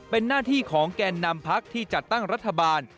เป็นหน้าที่ของแก่นนำพักที่จัดตั้งรัฐบาล